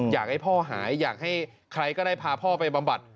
อยากให้พ่อหายอยากให้ใครก็ได้พาพ่อไปบำบัด